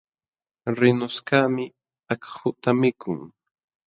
Rinqushkaqmi akhuta mikun.